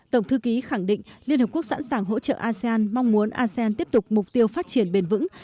tổng thư ký khẳng định liên hợp quốc sẵn sàng hỗ trợ asean mong muốn asean tiếp tục mục tiêu phát triển bền vững